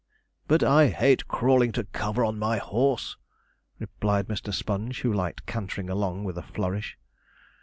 'But I hate crawling to cover on my horse,' replied Mr. Sponge, who liked cantering along with a flourish.